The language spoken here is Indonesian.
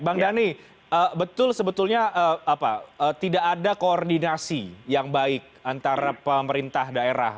bang dhani betul sebetulnya tidak ada koordinasi yang baik antara pemerintah daerah